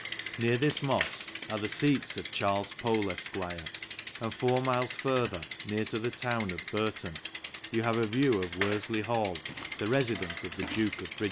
Near this mofs are the feats of Charles Pole, Efq ; and four miles further, near to the town of Barton, you have a view of ' Worflty Hall, the residence of the duke of Bridgwater.